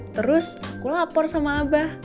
terus aku lapor sama abah